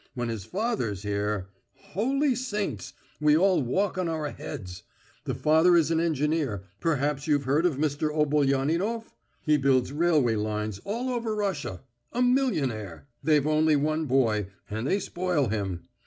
When his father's here ... holy Saints!... we all walk on our heads. The father is an engineer; perhaps you've heard of Mr. Obolyaninof? He builds railway lines all over Russia. A millionaire! They've only one boy, and they spoil him.